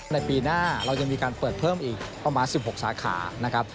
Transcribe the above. ในปีหน้าเราจะมีการเปิดเพิ่มอีกประมาณ๑๖สาขา